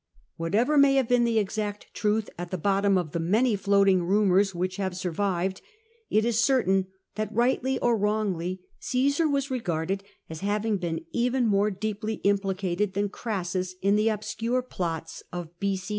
Whatever may have been the exact truth at the bottom of the many floating rumours which have survived, it is certain that, rightly or wrongly, Caesar was regarded as having been even more deeply implicated than Crassus in the obscure plots of B.c.